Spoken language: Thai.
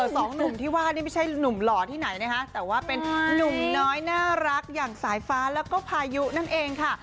สองหนุ่มที่ว่านี่ไม่ใช่หนุ่มหล่อที่ไหนนะคะแต่ว่าเป็นนุ่มน้อยน่ารักอย่างสายฟ้าแล้วก็พายุนั่นเองค่ะ